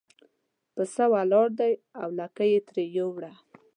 پسه ولاړ دی او لکۍ یې ترې یووړه.